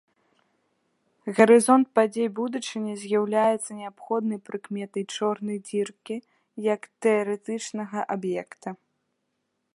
Гарызонт падзей будучыні з'яўляецца неабходнай прыкметай чорнай дзіркі як тэарэтычнага аб'екта.